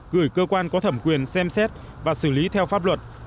gửi cơ quan có thẩm quyền xem xét và xử lý theo pháp luật